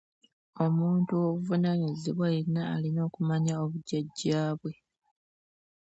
omuntu ow'obuvunaanyizibwa yenna alina okumanya obujjajja bwe.